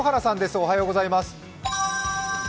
おはようございます。